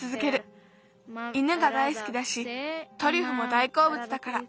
犬が大すきだしトリュフも大こうぶつだから。